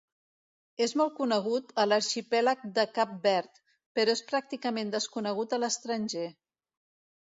És molt conegut a l'arxipèlag de Cap Verd, però és pràcticament desconegut a l'estranger.